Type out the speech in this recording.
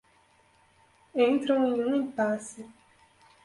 entram em um impasse